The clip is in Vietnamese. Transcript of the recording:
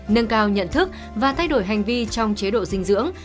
nâng cao nhận thức và thay đổi hành vi trong chế độ dinh dưỡng